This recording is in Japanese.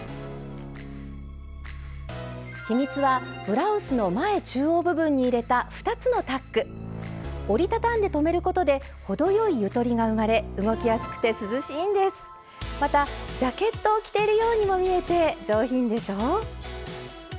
秘密はブラウスの前中央部分に入れた折りたたんで留めることで程よいゆとりが生まれまたジャケットを着ているようにも見えて上品でしょう。